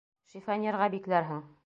Шифоньерға бикләрһең.